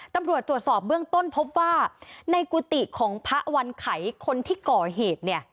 ตำรวจตรวจสอบเบื้องต้นพบว่าในกุฏิของพระวันไขคนที่ก่อเหตุเนี่ย